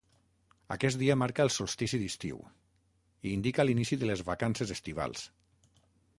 Aquest dia marca el solstici d'estiu i indica l'inici de les vacances estivals.